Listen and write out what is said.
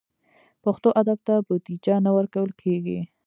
پښتو ادب ته بودیجه نه ورکول کېږي.